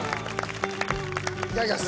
いただきます。